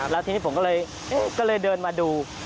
แล้วทีนี้ผมก็เลยเดินมาดู